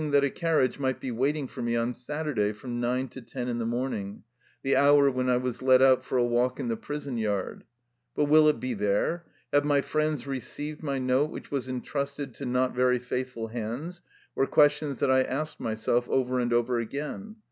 199 THE LIFE STOKY OF A RUSSIAN EXILE that a carriage migbt be waiting for me on Sat urday from nine to ten in the morning, the hour when I was let out for a walk in the prison yard. " But will it be there? Have my friends re ceived my note which was entrusted to not very faithful hands?" were questions that I asked myself over and over again.